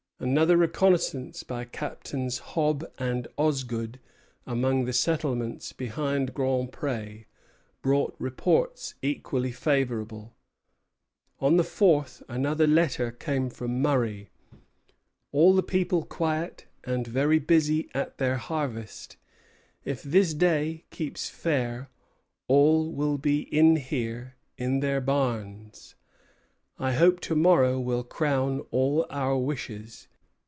Another reconnoissance by Captains Hobbs and Osgood among the settlements behind Grand Pré brought reports equally favorable. On the fourth, another letter came from Murray: "All the people quiet, and very busy at their harvest; if this day keeps fair, all will be in here in their barns. I hope to morrow will crown all our wishes."